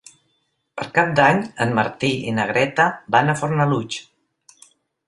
Per Cap d'Any en Martí i na Greta van a Fornalutx.